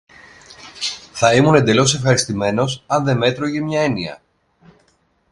Θα ήμουν εντελώς ευχαριστημένος, αν δε μ' έτρωγε μια έννοια